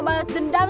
memang benar benar di